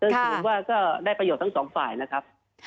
ซึ่งสมมุติว่าก็ได้ประโยชน์ทั้งสองฝ่ายนะครับ